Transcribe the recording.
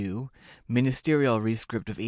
Ministerial Rescript of 1839.